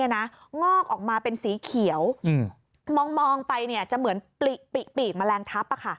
งอกออกมาเป็นสีเขียวมองไปจะเหมือนปีกแมลงทับ